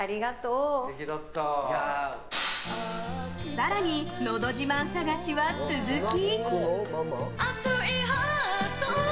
更に、のど自慢探しは続き。